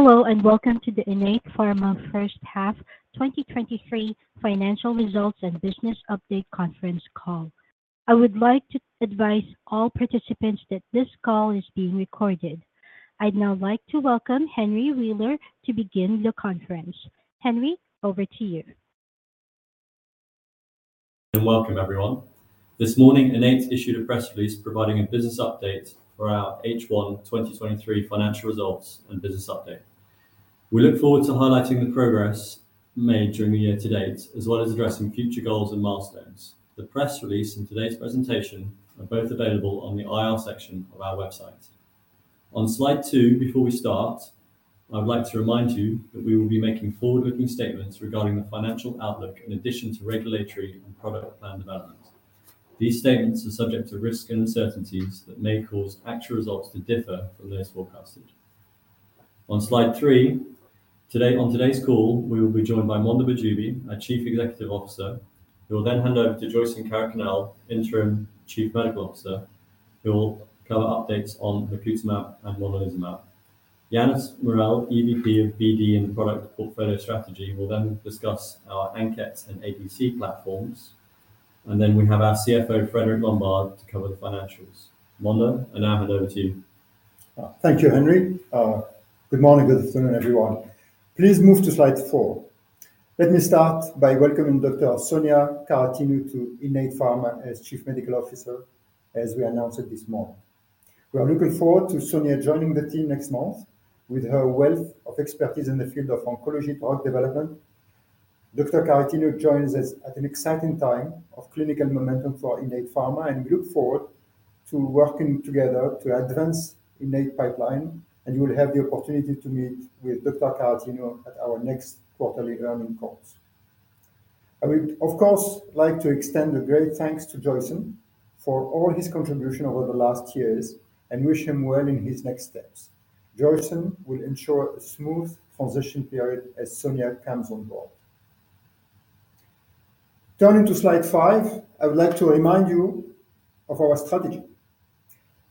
Hello, and welcome to the Innate Pharma First Half 2023 Financial Results and Business Update Conference Call. I would like to advise all participants that this call is being recorded. I'd now like to welcome Henry Wheeler to begin the conference. Henry, over to you.... Welcome, everyone. This morning, Innate issued a press release providing a business update for our H1 2023 financial results and business update. We look forward to highlighting the progress made during the year to date, as well as addressing future goals and milestones. The press release and today's presentation are both available on the IR section of our website. On slide two, before we start, I'd like to remind you that we will be making forward-looking statements regarding the financial outlook in addition to regulatory and product plan development. These statements are subject to risks and uncertainties that may cause actual results to differ from those forecasted. On slide three, today, on today's call, we will be joined by Mondher Mahjoubi, our Chief Executive Officer, who will then hand over to Joyson Karakunnel, Interim Chief Medical Officer, who will cover updates on lacutamab and monalizumab. Yannis Morel, EVP of BD and Product Portfolio Strategy, will then discuss our ANKET® and ADC platforms. Then we have our CFO, Frédéric Lombard, to cover the financials. Mondher, I now hand over to you. Thank you, Henry. Good morning, good afternoon, everyone. Please move to slide 4. Let me start by welcoming Dr. Sonia Quaratino to Innate Pharma as Chief Medical Officer, as we announced it this morning. We are looking forward to Sonia joining the team next month with her wealth of expertise in the field of oncology product development. Dr. Quaratino joins us at an exciting time of clinical momentum for Innate Pharma, and we look forward to working together to advance Innate pipeline, and you will have the opportunity to meet with Dr. Quaratino at our next quarterly earnings calls. I would, of course, like to extend a great thanks to Joyson for all his contribution over the last years and wish him well in his next steps. Joyson will ensure a smooth transition period as Sonia comes on board. Turning to slide 5, I would like to remind you of our strategy.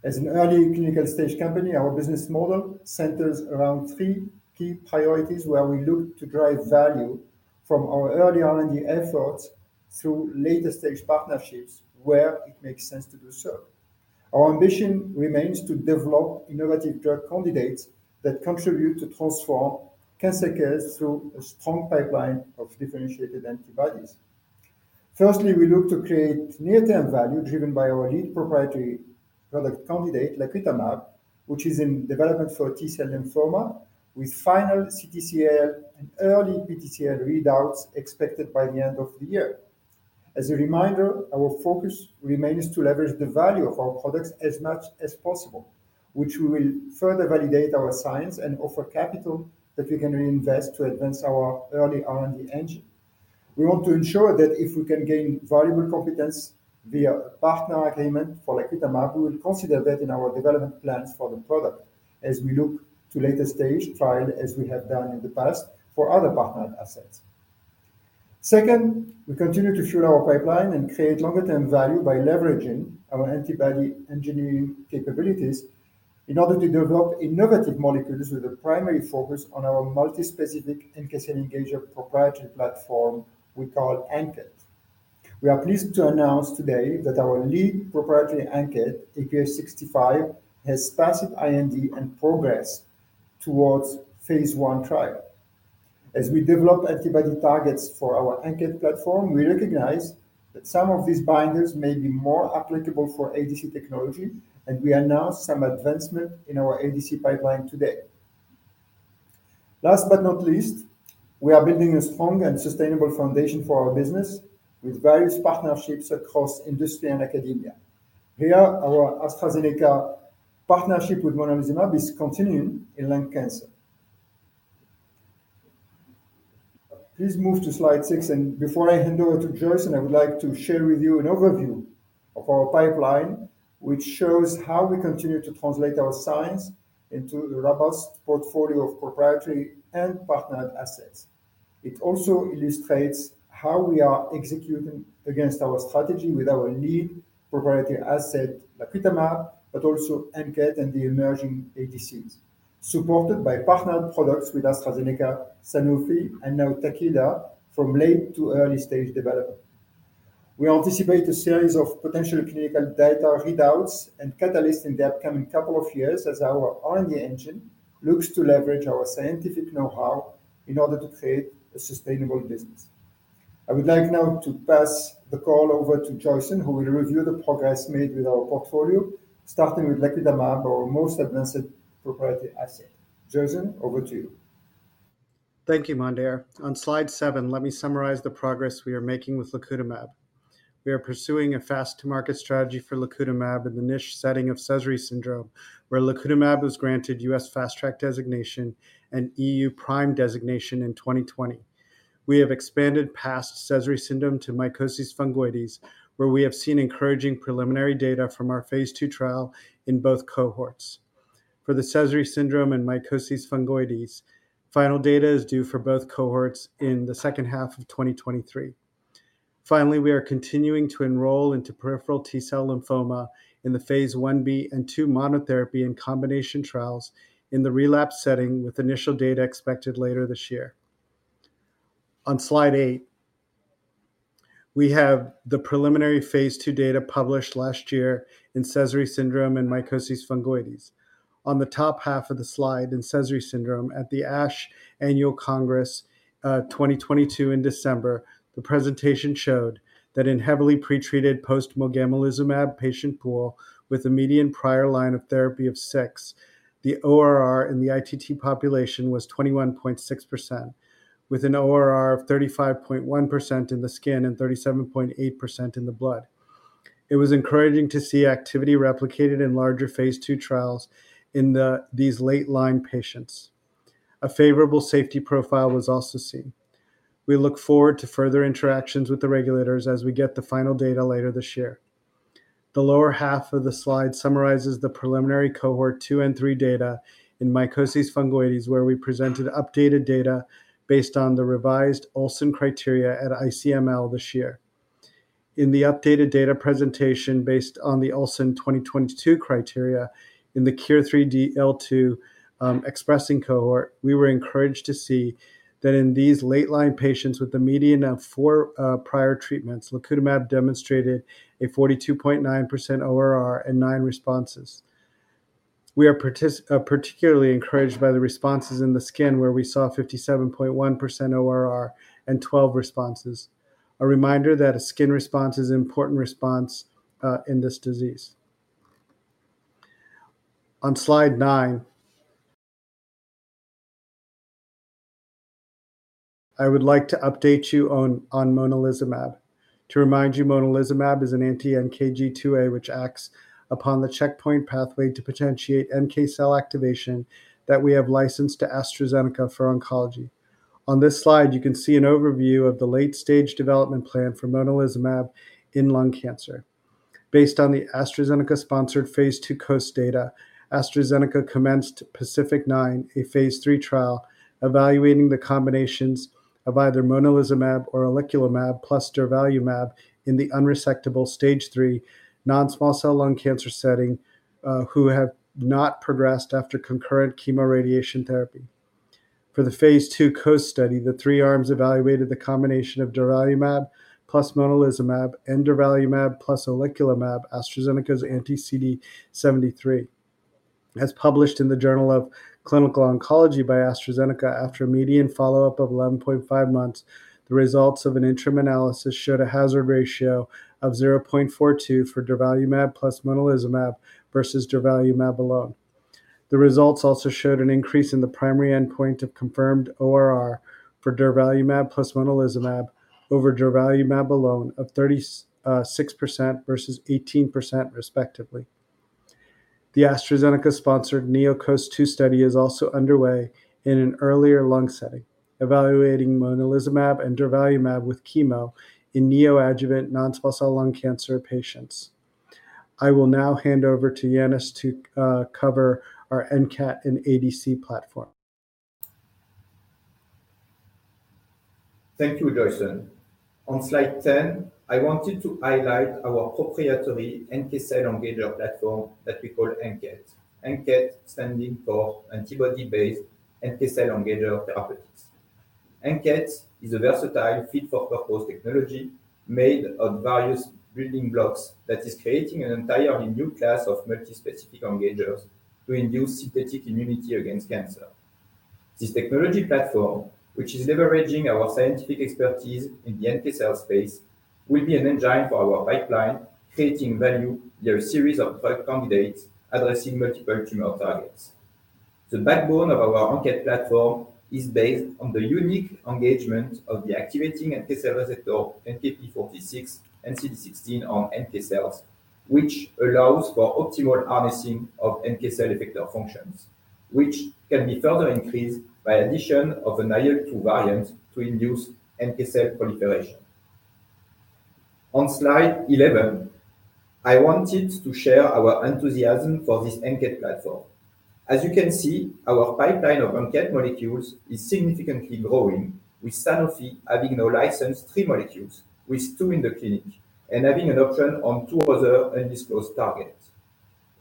As an early clinical stage company, our business model centers around three key priorities, where we look to drive value from our early R&D efforts through later-stage partnerships, where it makes sense to do so. Our ambition remains to develop innovative drug candidates that contribute to transform cancer care through a strong pipeline of differentiated antibodies. Firstly, we look to create near-term value, driven by our lead proprietary product candidate, lacutamab, which is in development for T-cell lymphoma, with final CTCL and early PTCL readouts expected by the end of the year. As a reminder, our focus remains to leverage the value of our products as much as possible, which will further validate our science and offer capital that we can reinvest to advance our early R&D engine. We want to ensure that if we can gain valuable competence via a partner agreement for lacutamab, we will consider that in our development plans for the product as we look to later stage trial, as we have done in the past for other partnered assets. Second, we continue to fuel our pipeline and create longer-term value by leveraging our antibody engineering capabilities in order to develop innovative molecules with a primary focus on our multi-specific NK/T-cell engager proprietary platform we call ANKET®. We are pleased to announce today that our lead proprietary ANKET®, IPH65, has passed IND and progress towards phase 1 trial. As we develop antibody targets for our ANKET® platform, we recognize that some of these binders may be more applicable for ADC technology, and we announce some advancement in our ADC pipeline today. Last but not least, we are building a strong and sustainable foundation for our business with various partnerships across industry and academia. Here, our AstraZeneca partnership with monalizumab is continuing in lung cancer. Please move to slide 6, and before I hand over to Joyson, I would like to share with you an overview of our pipeline, which shows how we continue to translate our science into a robust portfolio of proprietary and partnered assets. It also illustrates how we are executing against our strategy with our lead proprietary asset, lacutamab, but also ANKET and the emerging ADCs, supported by partnered products with AstraZeneca, Sanofi, and now Takeda from late to early stage development. We anticipate a series of potential clinical data readouts and catalysts in the upcoming couple of years as our R&D engine looks to leverage our scientific know-how in order to create a sustainable business. I would like now to pass the call over to Joyson, who will review the progress made with our portfolio, starting with lacutamab, our most advanced proprietary asset. Joyson, over to you. Thank you, Mondher. On slide 7, let me summarize the progress we are making with lacutamab. We are pursuing a fast-to-market strategy for lacutamab in the niche setting of Sézary syndrome, where lacutamab was granted U.S. Fast Track designation and EU PRIME designation in 2020. We have expanded past Sézary syndrome to mycosis fungoides, where we have seen encouraging preliminary data from our phase 2 trial in both cohorts. For the Sézary syndrome and mycosis fungoides, final data is due for both cohorts in the second half of 2023. Finally, we are continuing to enroll into peripheral T-cell lymphoma in the phase 1b and 2 monotherapy and combination trials in the relapse setting, with initial data expected later this year. On slide 8, we have the preliminary phase 2 data published last year in Sézary syndrome and mycosis fungoides. On the top half of the slide, in Sézary syndrome at the ASH Annual Congress, 2022 in December, the presentation showed that in heavily pretreated post-mogamulizumab patient pool with a median prior line of therapy of six, the ORR in the ITT population was 21.6%, with an ORR of 35.1% in the skin and 37.8% in the blood. It was encouraging to see activity replicated in larger phase 2 trials in these late-line patients. A favorable safety profile was also seen. We look forward to further interactions with the regulators as we get the final data later this year. The lower half of the slide summarizes the preliminary cohort 2 and 3 data in mycosis fungoides, where we presented updated data based on the revised Olsen criteria at ICML this year. In the updated data presentation, based on the Olsen 2022 criteria in the KIR3DL2 expressing cohort, we were encouraged to see that in these late-line patients with the median of 4 prior treatments, lacutamab demonstrated a 42.9% ORR and 9 responses. We are particularly encouraged by the responses in the skin, where we saw 57.1% ORR and 12 responses. A reminder that a skin response is important response in this disease. On slide 9, I would like to update you on monalizumab. To remind you, monalizumab is an anti-NKG2A, which acts upon the checkpoint pathway to potentiate NK cell activation that we have licensed to AstraZeneca for oncology. On this slide, you can see an overview of the late-stage development plan for monalizumab in lung cancer. Based on the AstraZeneca-sponsored phase 2 COAST data, AstraZeneca commenced PACIFIC-9, a phase 3 trial, evaluating the combinations of either monalizumab or oleclumab plus durvalumab in the unresectable stage 3 non-small cell lung cancer setting, who have not progressed after concurrent chemoradiation therapy. For the phase 2 COAST study, the three arms evaluated the combination of durvalumab plus monalizumab and durvalumab plus oleclumab, AstraZeneca's anti-CD73. As published in the Journal of Clinical Oncology by AstraZeneca, after a median follow-up of 11.5 months, the results of an interim analysis showed a hazard ratio of 0.42 for durvalumab plus monalizumab versus durvalumab alone. The results also showed an increase in the primary endpoint of confirmed ORR for durvalumab plus monalizumab over durvalumab alone of 36% versus 18% respectively. The AstraZeneca-sponsored NeoCOAST-2 study is also underway in an earlier lung setting, evaluating monalizumab and durvalumab with chemo in neoadjuvant non-small cell lung cancer patients. I will now hand over to Yannis to cover our ANKET and ADC platform. Thank you, Joyson. On slide 10, I wanted to highlight our proprietary NK cell engager platform that we call ANKET®. ANKET®, standing for Antibody-based NK Cell Engager Therapeutics. ANKET® is a versatile fit-for-purpose technology made of various building blocks that is creating an entirely new class of multispecific engagers to induce synthetic immunity against cancer. This technology platform, which is leveraging our scientific expertise in the NK cell space, will be an engine for our pipeline, creating value through a series of drug candidates addressing multiple tumor targets. The backbone of our ANKET® platform is based on the unique engagement of the activating NK cell receptor, NKp46, and CD16 on NK cells, which allows for optimal harnessing of NK cell effector functions, which can be further increased by addition of an IL-2 variant to induce NK cell proliferation. On slide 11, I wanted to share our enthusiasm for this ANKET® platform. As you can see, our pipeline of ANKET® molecules is significantly growing, with Sanofi having now licensed 3 molecules, with 2 in the clinic and having an option on 2 other undisclosed targets.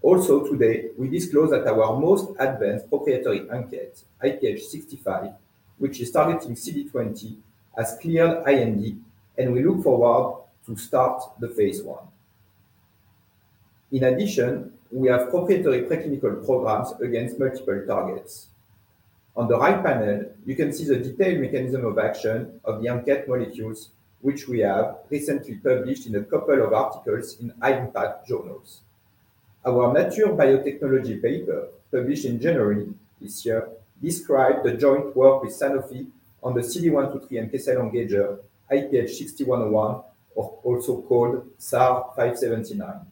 Also today, we disclose that our most advanced proprietary ANKET®, IPH65, which is targeting CD20, has cleared IND, and we look forward to start the phase 1. In addition, we have proprietary preclinical programs against multiple targets. On the right panel, you can see the detailed mechanism of action of the ANKET® molecules, which we have recently published in a couple of articles in high-impact journals. Our Nature Biotechnology paper, published in January this year, described the joint work with Sanofi on the CD123 NK engager, IPH6101, or also called SAR 443579.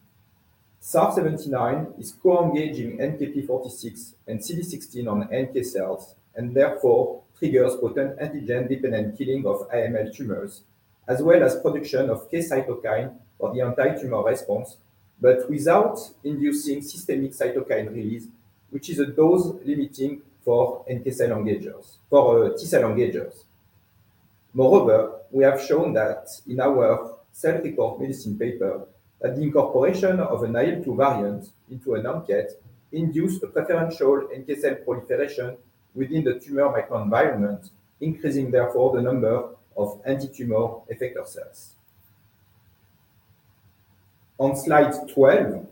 SAR 443579 is co-engaging NKp46 and CD16 on NK cells, and therefore triggers potent antigen-dependent killing of AML tumors, as well as production of key cytokine for the antitumor response, but without inducing systemic cytokine release, which is a dose limiting for NK cell engagers, for T cell engagers. Moreover, we have shown that in our Cell Reports Medicine paper, that the incorporation of an IL-2 variant into an ANKET induced a preferential NK cell proliferation within the tumor microenvironment, increasing therefore the number of antitumor effector cells. On slide 12,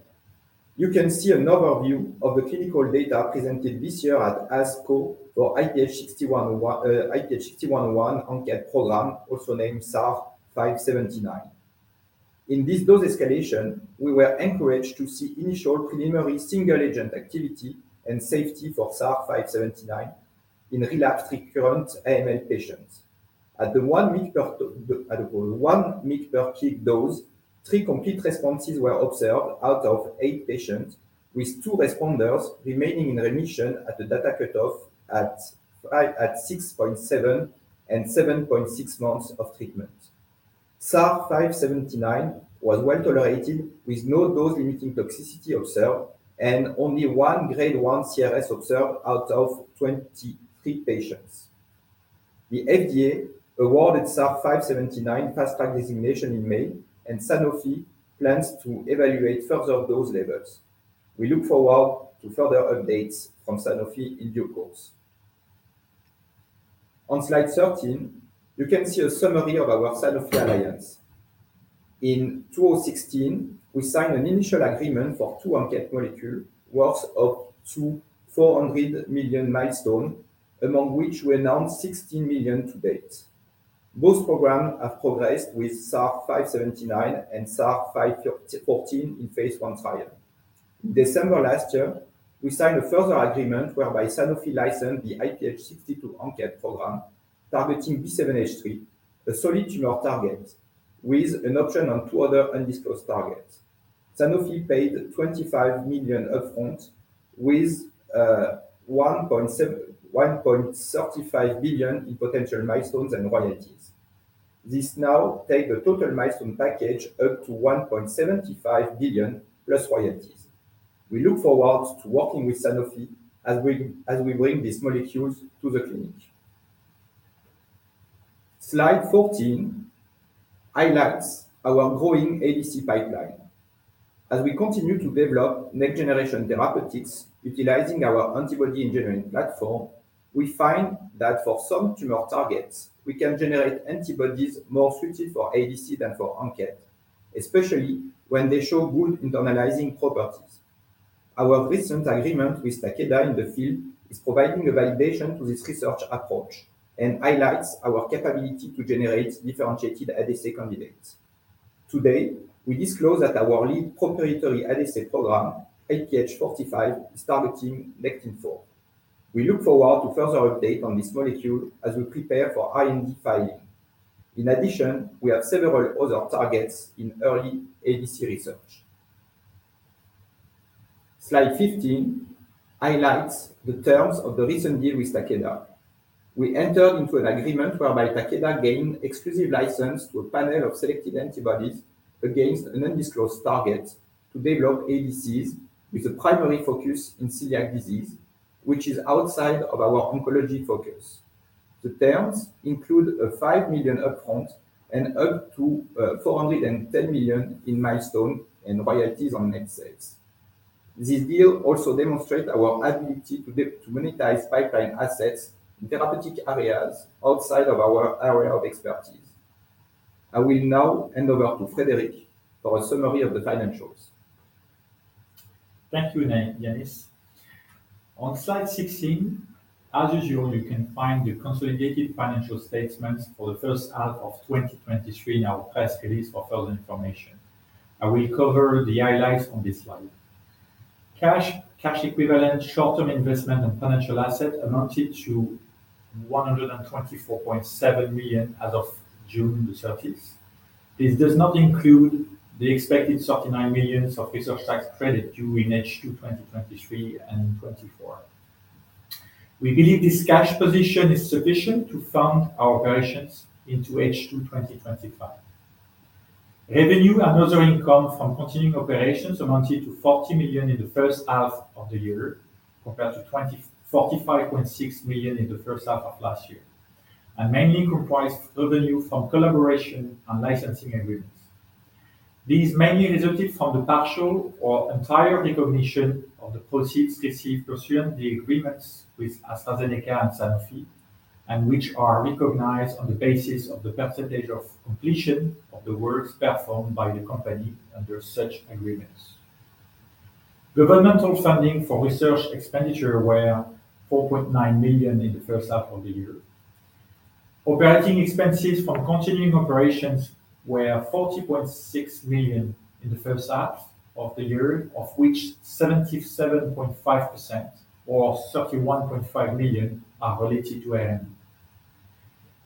you can see an overview of the clinical data presented this year at ASCO for IPH6101, IPH6101 ANKET program, also named SAR 443579. In this dose escalation, we were encouraged to see initial preliminary single agent activity and safety for 443579 in relapsed recurrent AML patients. At the 1 mg per kg dose, 3 complete responses were observed out of 8 patients, with 2 responders remaining in remission at the data cutoff at 6.7 and 7.6 months of treatment. SAR 443579 was well tolerated, with no dose-limiting toxicity observed, and only one grade 1 CRS observed out of 23 patients. The FDA awarded SAR 443579 Fast Track Designation in May, and Sanofi plans to evaluate further dose levels. We look forward to further updates from Sanofi in due course. On slide 13, you can see a summary of our Sanofi alliance. In 2016, we signed an initial agreement for two ANKET molecules worth up to 400 million in milestones, among which we announced 16 million to date. Both programs have progressed with SAR 443579 and SAR 514 in phase 1 trial. In December last year, we signed a further agreement whereby Sanofi licensed the IPH62 ANKET® program targeting B7-H3, a solid tumor target, with an option on two other undisclosed targets. Sanofi paid $25 million upfront with one point seven-- one point 1.35 billion in potential milestones and royalties. This now take the total milestone package up to 1.75 billion plus royalties. We look forward to working with Sanofi as we bring these molecules to the clinic. Slide 14 highlights our growing ADC pipeline. As we continue to develop next-generation therapeutics utilizing our antibody engineering platform, we find that for some tumor targets, we can generate antibodies more suited for ADC than for ANKET®, especially when they show good internalizing properties. Our recent agreement with Takeda in the field is providing a validation to this research approach and highlights our capability to generate differentiated ADC candidates. Today, we disclose that our lead proprietary ADC program, IPH4502, is targeting nectin-4. We look forward to further update on this molecule as we prepare for IND filing. In addition, we have several other targets in early ADC research. Slide 15 highlights the terms of the recent deal with Takeda. We entered into an agreement whereby Takeda gained exclusive license to a panel of selected antibodies against an undisclosed target to develop ADCs with a primary focus in celiac disease, which is outside of our oncology focus. The terms include a $5 million upfront and up to $410 million in milestone and royalties on net sales. This deal also demonstrates our ability to monetize pipeline assets in therapeutic areas outside of our area of expertise. I will now hand over to Frédéric for a summary of the financials. Thank you, Yannis. On slide 16, as usual, you can find the consolidated financial statements for the first half of 2023 in our press release for further information. I will cover the highlights on this slide. Cash, cash equivalent, short-term investment and financial assets amounted to 124.7 million as of June 30. This does not include the expected 39 million research tax credit due in H2 2023 and 2024. We believe this cash position is sufficient to fund our operations into H2 2025. Revenue and other income from continuing operations amounted to 40 million in the first half of the year, compared to 45.6 million in the first half of last year, and mainly comprised revenue from collaboration and licensing agreements. This mainly resulted from the partial or entire recognition of the proceeds received pursuant to the agreements with AstraZeneca and Sanofi, and which are recognized on the basis of the percentage of completion of the works performed by the company under such agreements. Governmental funding for research expenditure were 4.9 million in the first half of the year. Operating expenses from continuing operations were 40.6 million in the first half of the year, of which 77.5% or 31.5 million are related to R&D.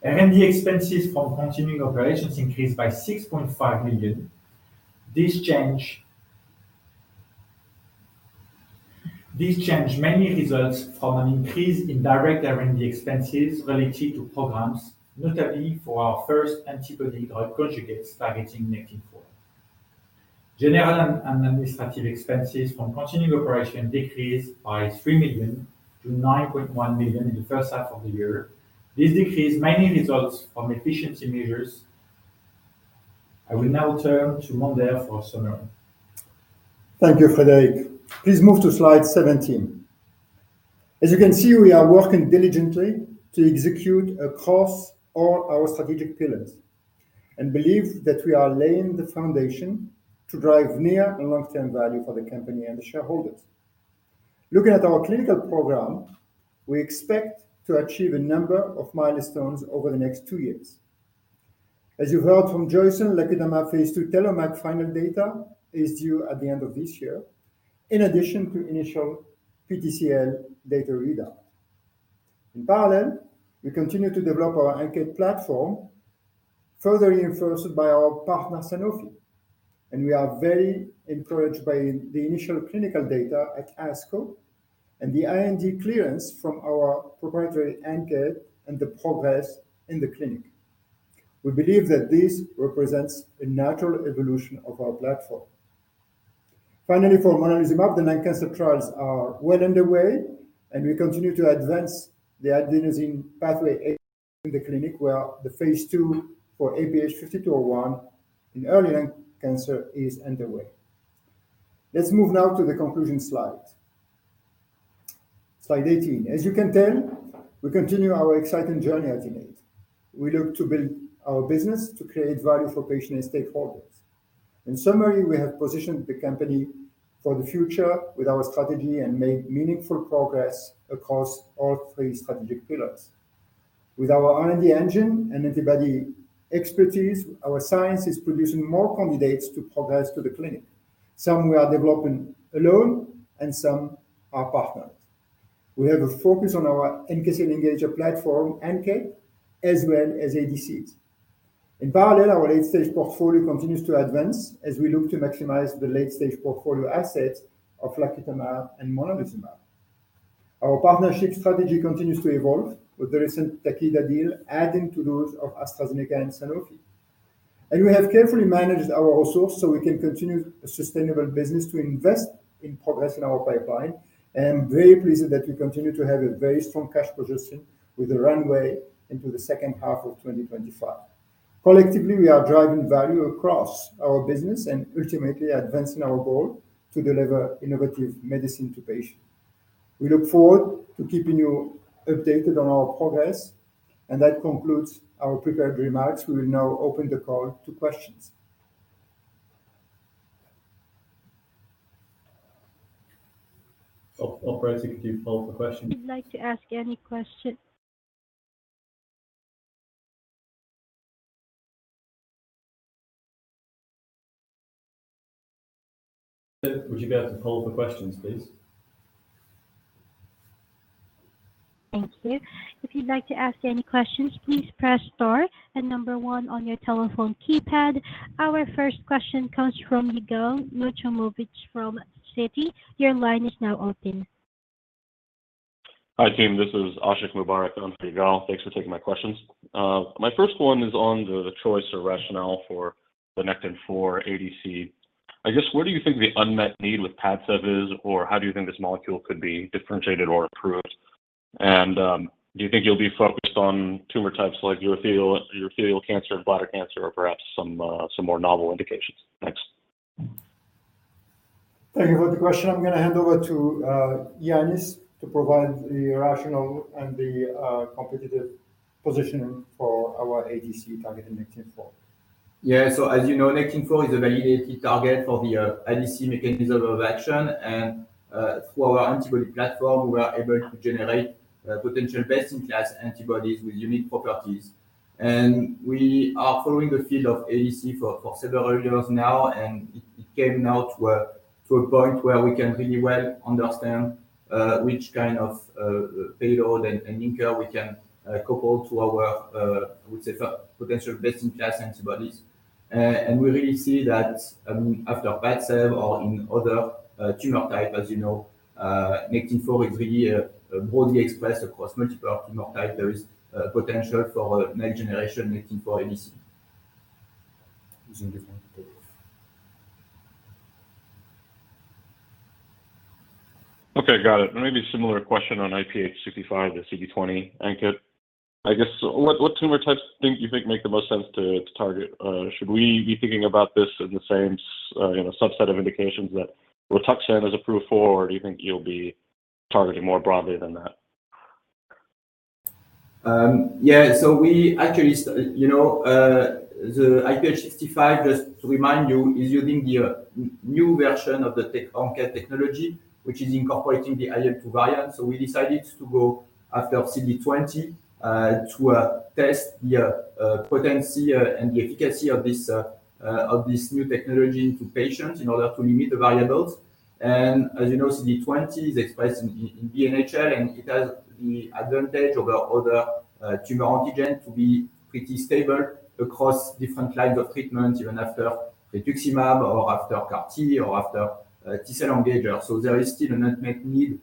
R&D expenses from continuing operations increased by 6.5 million. This change mainly results from an increase in direct R&D expenses related to programs, notably for our first antibody-drug conjugate targeting nectin-4.... general and administrative expenses from continuing operation decreased by 3 million to 9.1 million in the first half of the year. This decrease mainly results from efficiency measures. I will now turn to Mondher for summary. Thank you, Frédéric. Please move to slide 17. As you can see, we are working diligently to execute across all our strategic pillars, and believe that we are laying the foundation to drive near- and long-term value for the company and the shareholders. Looking at our clinical program, we expect to achieve a number of milestones over the next two years. As you heard from Joyson, lacutamab phase 2 TELLOMAK final data is due at the end of this year, in addition to initial PTCL data readout. In parallel, we continue to develop our ANKET® platform, further reinforced by our partner, Sanofi. And we are very encouraged by the initial clinical data at ASCO and the IND clearance from our proprietary ANKET® and the progress in the clinic. We believe that this represents a natural evolution of our platform. Finally, for monalizumab, the lung cancer trials are well underway, and we continue to advance the adenosine pathway in the clinic, where the phase 2 for IPH5201 in early lung cancer is underway. Let's move now to the conclusion slide. Slide 18. As you can tell, we continue our exciting journey at Innate. We look to build our business to create value for patients and stakeholders. In summary, we have positioned the company for the future with our strategy and made meaningful progress across all three strategic pillars. With our R&D engine and antibody expertise, our science is producing more candidates to progress to the clinic. Some we are developing alone and some are partnered. We have a focus on our NK cell engager platform, ANKET, as well as ADCs. In parallel, our late-stage portfolio continues to advance as we look to maximize the late-stage portfolio assets of lacutamab and monalizumab. Our partnership strategy continues to evolve, with the recent Takeda deal adding to those of AstraZeneca and Sanofi. We have carefully managed our resources so we can continue a sustainable business to invest in progress in our pipeline. And very pleased that we continue to have a very strong cash position with a runway into the second half of 2025. Collectively, we are driving value across our business and ultimately advancing our goal to deliver innovative medicine to patients. We look forward to keeping you updated on our progress, and that concludes our prepared remarks. We will now open the call to questions. Operator, could you poll the question? If you'd like to ask any question. Would you go to the poll for questions, please? Thank you. If you'd like to ask any questions, please press star and number one on your telephone keypad. Our first question comes from Yigal Nochomovitz from Citi. Your line is now open. Hi, team, this is Ashiq Mubarack on for Yigal. Thanks for taking my questions. My first one is on the choice or rationale for the nectin-4 ADC. I guess, where do you think the unmet need with Padcev is? Or how do you think this molecule could be differentiated or approved? And, do you think you'll be focused on tumor types like urothelial, urothelial cancer and bladder cancer, or perhaps some some more novel indications? Thanks. Thank you for the question. I'm gonna hand over to Yannis to provide the rationale and the competitive positioning for our ADC targeting nectin-4. Yeah. So as you know, nectin-4 is a validated target for the ADC mechanism of action. And through our antibody platform, we are able to generate potential best-in-class antibodies with unique properties. And we are following the field of ADC for several years now, and it came now to a point where we can really well understand which kind of payload and linker we can couple to our, I would say, potential best-in-class antibodies. And we really see that, after Padcev or in other tumor type, as you know, nectin-4 is really broadly expressed across multiple tumor type. There is potential for next generation nectin-4 ADC. Using different. Okay, got it. Maybe a similar question on IPH65, the CD20 ANKET. I guess, what tumor types do you think make the most sense to target? Should we be thinking about this in the same, you know, subset of indications that Rituximab is approved for, or do you think you'll be targeting more broadly than that? Yeah. So we actually, you know, the IPH65, just to remind you, is using the new version of the ANKET technology, which is incorporating the 2B4 variant. So we decided to go after CD20, to test the potency and the efficacy of this new technology into patients in order to limit the variables. And as you know, CD20 is expressed in B-NHL, and it has the advantage over other tumor antigen to be pretty stable across different lines of treatment, even after rituximab or after CAR-T or after T-cell engager. So there is still an unmet need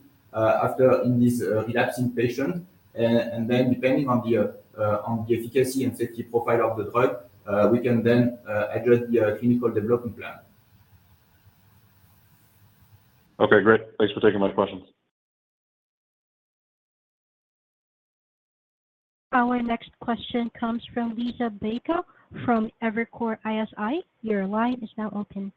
in this relapsing patient. And then depending on the efficacy and safety profile of the drug, we can then adjust the clinical development plan.... Okay, great. Thanks for taking my questions. Our next question comes from Liisa Bayko from Evercore ISI. Your line is now open.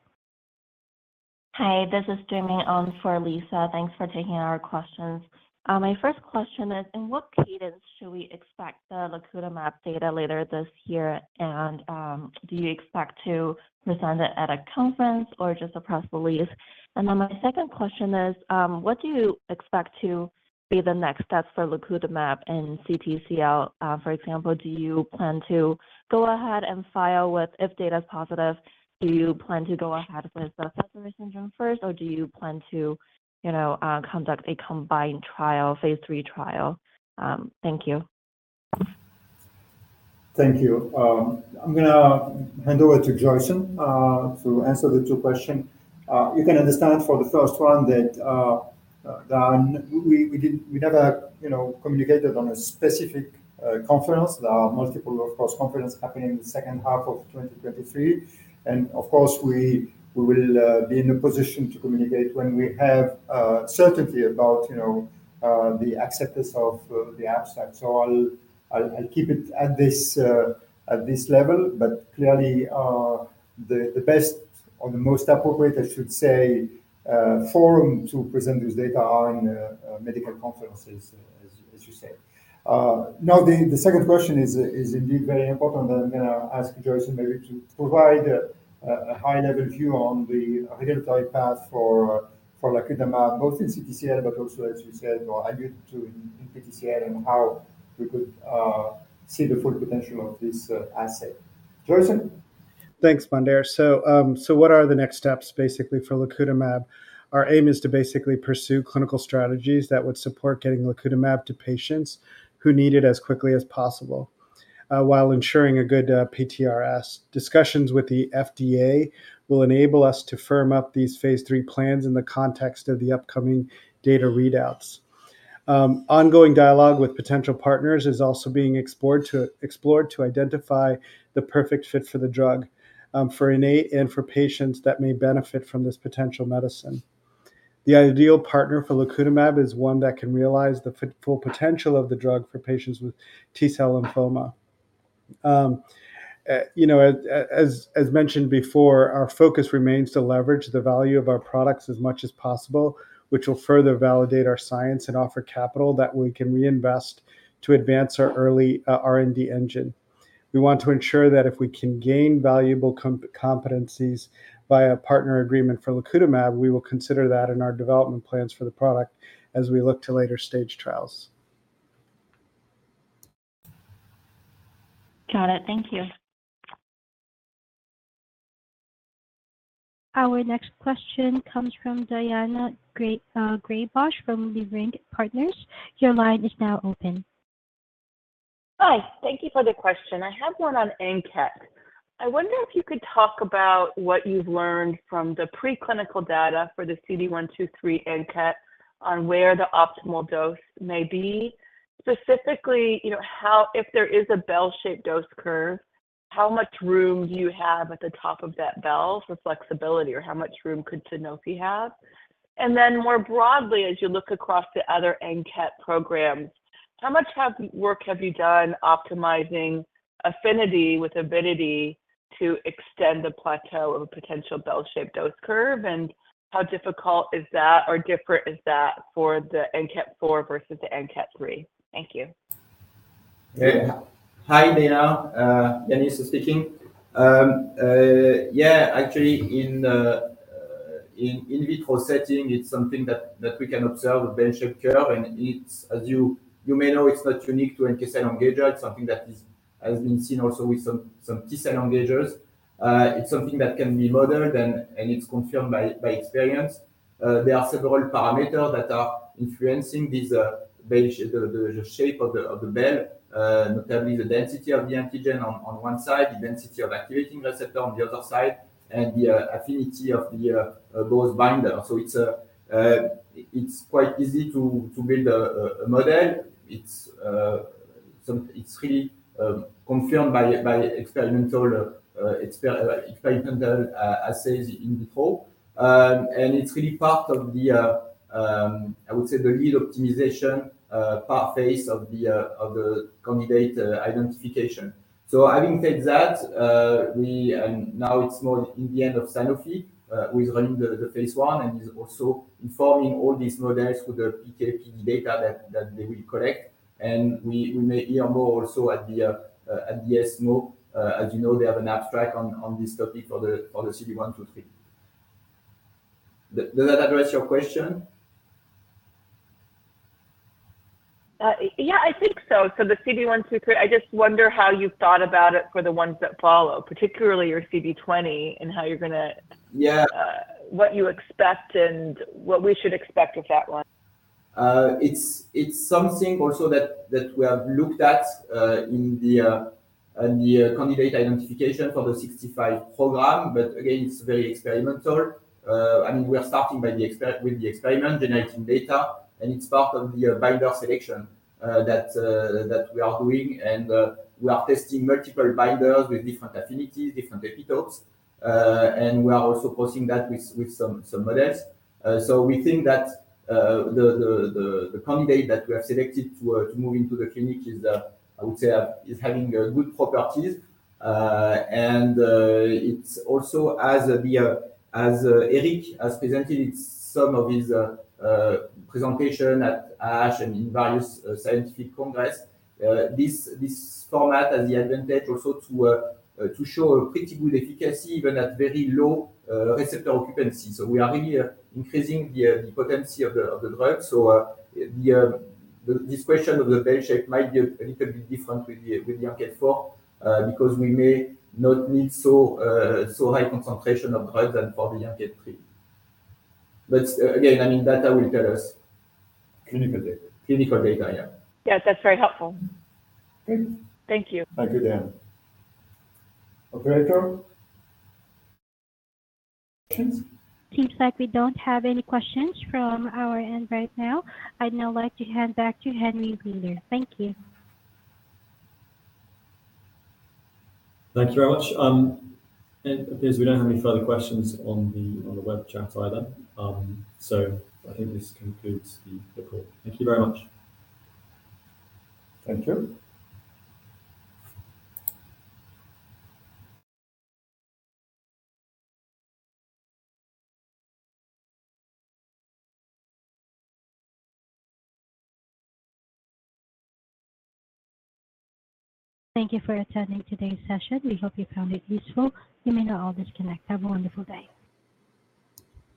Hi, this is Jimmy on for Lisa. Thanks for taking our questions. My first question is, in what cadence should we expect the lacutamab data later this year? And, do you expect to present it at a conference or just a press release? And then my second question is, what do you expect to be the next steps for lacutamab in CTCL? For example, do you plan to go ahead and file with if data is positive, do you plan to go ahead with the Sézary syndrome first, or do you plan to, you know, conduct a combined trial, phase three trial? Thank you. Thank you. I'm gonna hand over to Joyson to answer the two questions. You can understand for the first one that we never, you know, communicated on a specific conference. There are multiple, of course, conferences happening in the second half of 2023. And of course, we will be in a position to communicate when we have certainty about the acceptance of the abstract. So I'll keep it at this level, but clearly, the best or the most appropriate, I should say, forum to present this data are in medical conferences as you say. Now the second question is indeed very important, and I'm gonna ask Joyson maybe to provide a high-level view on the regulatory path for lacutamab, both in CTCL, but also, as you said, or are you doing in PTCL and how we could see the full potential of this asset. Joyson? Thanks, Mondher. So, what are the next steps basically for lacutamab? Our aim is to basically pursue clinical strategies that would support getting lacutamab to patients who need it as quickly as possible, while ensuring a good PFS. Discussions with the FDA will enable us to firm up these phase three plans in the context of the upcoming data readouts. Ongoing dialogue with potential partners is also being explored to identify the perfect fit for the drug, for Innate and for patients that may benefit from this potential medicine. The ideal partner for lacutamab is one that can realize the full potential of the drug for patients with T-cell lymphoma. You know, as mentioned before, our focus remains to leverage the value of our products as much as possible, which will further validate our science and offer capital that we can reinvest to advance our early R&D engine. We want to ensure that if we can gain valuable competencies via partner agreement for lacutamab, we will consider that in our development plans for the product as we look to later stage trials. Got it. Thank you. Our next question comes from Daina Graybosch from Leerink Partners. Your line is now open. Hi, thank you for the question. I have one on ANKET. I wonder if you could talk about what you've learned from the preclinical data for the CD123 ANKET on where the optimal dose may be. Specifically, you know, how... if there is a bell-shaped dose curve, how much room do you have at the top of that bell for flexibility, or how much room could Sanofi have? And then more broadly, as you look across the other ANKET programs, how much work have you done optimizing affinity with avidity to extend the plateau of a potential bell-shaped dose curve? And how difficult is that, or different is that for the ANKET four versus the ANKET three? Thank you. Yeah. Hi, Daina. Dennis speaking. Yeah, actually, in vitro setting, it's something that we can observe a bell-shaped curve, and it's as you may know, it's not unique to NK engager. It's something that has been seen also with some T-cell engagers. It's something that can be modeled, and it's confirmed by experience. There are several parameters that are influencing this bell shape, the shape of the bell, notably the density of the antigen on one side, the density of activating receptor on the other side, and the affinity of the dose binder. So it's quite easy to build a model. It's really confirmed by experimental assays in vitro. It's really part of the, I would say, the lead optimization phase of the candidate identification. So having said that, and now it's more in the hands of Sanofi, who is running the phase 1 and is also informing all these models with the PK, PD data that they will collect. And we may hear more also at the ESMO. As you know, they have an abstract on this topic for the CD123. Does that address your question? Yeah, I think so. So the CD123, I just wonder how you thought about it for the ones that follow, particularly your CD20, and how you're gonna- Yeah. - what you expect and what we should expect with that one? It's something also that we have looked at in the candidate identification for the 65 program, but again, it's very experimental. I mean, we are starting by the experiment, with the experiment, generating data, and it's part of the binder selection that we are doing. We are testing multiple binders with different affinities, different epitopes, and we are also posing that with some models. So we think that the candidate that we have selected to move into the clinic is, I would say, having good properties. And it's also as Eric has presented it, some of his presentation at ASH and in various scientific congress, this format has the advantage also to show a pretty good efficacy even at very low receptor occupancy. So we are really increasing the potency of the drug. So the description of the bell shape might be a little bit different with the NKp46 because we may not need so high concentration of drug than for the NKp30. But again, I mean, data will tell us. Clinical data. Clinical data, yeah. Yes, that's very helpful. Thanks. Thank you. Thank you, Diana. Operator? Seems like we don't have any questions from our end right now. I'd now like to hand back to Henry Wheeler. Thank you. Thank you very much. It appears we don't have any further questions on the web chat either. So I think this concludes the call. Thank you very much. Thank you. Thank you for attending today's session. We hope you found it useful. You may now all disconnect. Have a wonderful day.